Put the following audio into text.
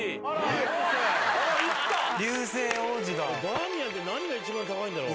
バーミヤンって何が一番高いんだろう。